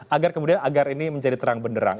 agar kemudian agar ini menjadi terang benderang